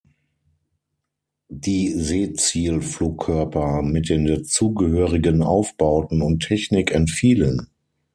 Die Seezielflugkörper mit den dazugehörigen Aufbauten und Technik entfielen.